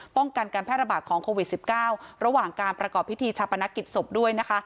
ป้องกันการแพร่ระบาดของโควิด๑๙ระหว่างการประกอบพิธีชาปนกิจศพด้วยนะคะ